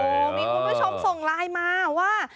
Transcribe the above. โอ้โหมีคุณผู้ชมส่งไลน์มาว่า